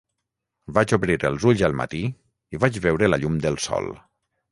Vaig obrir els ulls al matí i vaig veure la llum del sol.